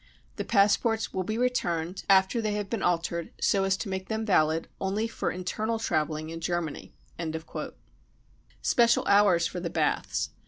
The passports will be returned after they have been altered so as to make them valid only for internal travelling in Germany," Special Hours for the Baths.